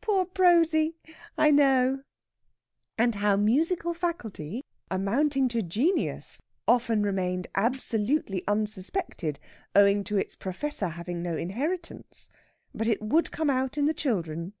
"Poor Prosy! I know." "And how musical faculty amounting to genius often remained absolutely unsuspected owing to its professor having no inheritance. But it would come out in the children.